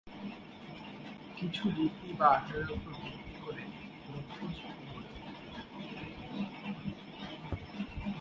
কিছু রীতি বা আচারের উপর ভিত্তি করে লোক সংস্কৃতি গড়ে উঠে।